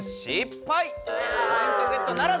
ポイントゲットならず！